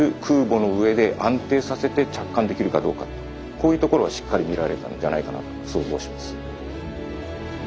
こういうところをしっかり見られたんじゃないかなと想像します。